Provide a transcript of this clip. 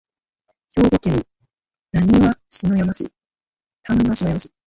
兵庫県丹波篠山市